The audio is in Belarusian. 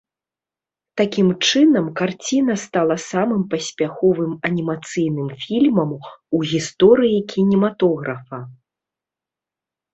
Такім чынам, карціна стала самым паспяховым анімацыйным фільмам у гісторыі кінематографа.